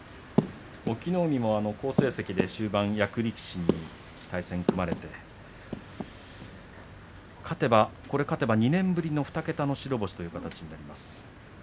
隠岐の海も好成績で役力士に対戦を組まれて勝てば２年ぶりの２桁の白星になります。